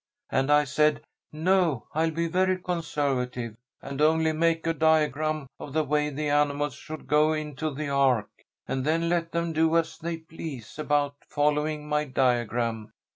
And I said, 'No, I'll be very conservative, and only make a diagram of the way the animals should go into the ark, and then let them do as they please about following my diagram.'